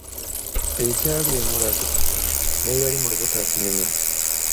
"Ekyali e Mulago, n'eyali mu lubuto akinyumya."